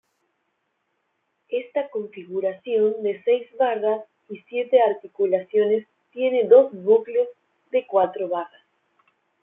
Esta configuración de seis barras y siete articulaciones tiene dos bucles de cuatro barras.